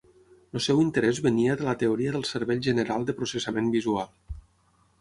El seu interès venia de la teoria del cervell general de processament visual.